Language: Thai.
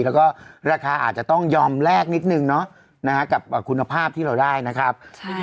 แล้วก็ราคาอาจจะต้องยอมแลกนิดนึงเนาะกับคุณภาพที่เราได้นะครับ